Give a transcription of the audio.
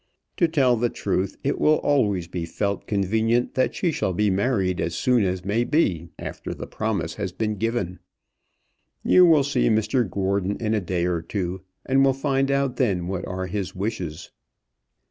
To tell the truth, it will always be felt convenient that she shall be married as soon as may be after the promise has been given. You will see Mr Gordon in a day or two, and will find out then what are his wishes."